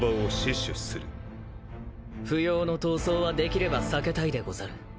不要の闘争はできれば避けたいでござる。